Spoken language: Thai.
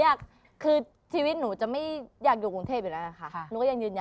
อย่างคือชีวิตหนูจะไม่อยากอยู่กรุงเทพฯนึกยังยืนยัน